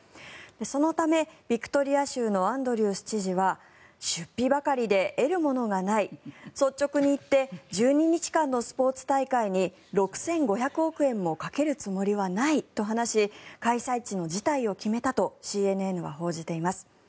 そのため、ビクトリア州のアンドリュース知事は出費ばかりで得るものがない率直に言って１２日間のスポーツ大会に６５００億円もかけるつもりはないと話し開催の辞退を決めたとＣＮＮは報じています。